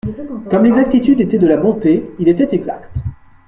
Comme l'exactitude était de la bonté, il était exact.